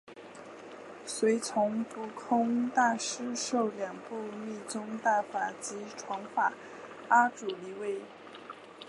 随从不空大师受两部密宗大法及传法阿阇黎位。